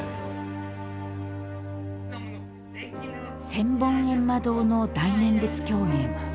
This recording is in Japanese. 千本ゑんま堂の大念仏狂言。